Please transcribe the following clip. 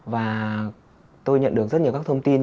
và tôi nhận được rất nhiều các thông tin